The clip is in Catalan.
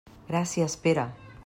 Gràcies, Pere.